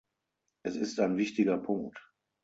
Es ist ein wichtiger Punkt.